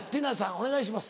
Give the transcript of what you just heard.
お願いします。